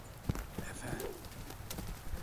Efe, dedi.